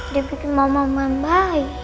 dia bikin mama main baik